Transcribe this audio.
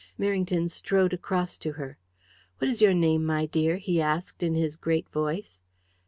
Merrington strode across to her. "What is your name, my dear?" he asked, in his great voice.